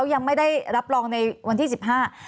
ยังไม่ได้รับรองในวันที่สิบห้า